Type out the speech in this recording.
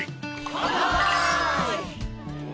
乾杯！